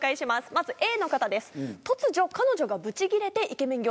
まずＡの方です。